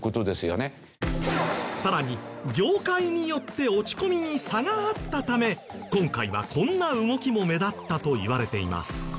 さらに業界によって落ち込みに差があったため今回はこんな動きも目立ったといわれています。